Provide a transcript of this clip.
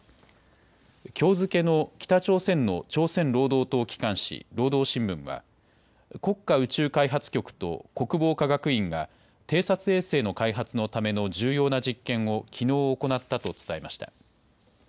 きょう付けの北朝鮮の朝鮮労働党機関紙、労働新聞は国家宇宙開発局と国防科学院が偵察衛星の開発のための重要な実験をきのう行ったと伝えました。